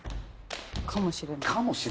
かもしれない。